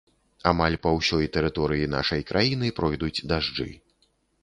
Амаль па ўсёй тэрыторыі нашай краіны пройдуць дажджы.